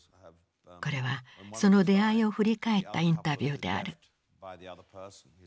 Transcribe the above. これはその出会いを振り返ったインタビューである。